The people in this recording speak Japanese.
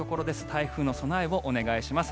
台風の備えをお願いします。